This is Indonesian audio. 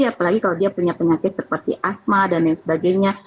apalagi kalau dia punya penyakit seperti asma dan lain sebagainya